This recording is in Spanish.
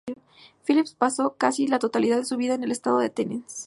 Phillips pasó casi la totalidad de su vida en el estado de Tennessee.